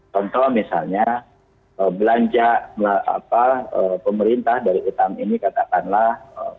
contoh misalnya belanja pemerintah dari utang ini katakanlah